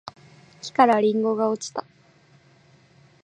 木からりんごが落ちた